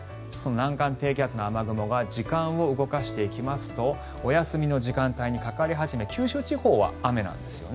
南岸低気圧の雨雲が時間を動かしていきますとお休みの時間帯にかかり始め九州地方は雨なんですよね。